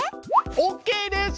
オッケーです！